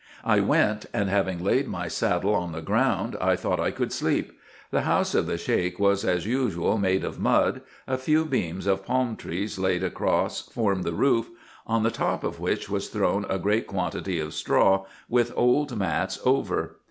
I went, and, having laid my saddle on the ground, I thought I could sleep. The house of the Sheik was as usual made of mud ; a few beams, of palm tree, laid across, formed the roof; on the top of which was thrown a great quantity of straw, with old mats over.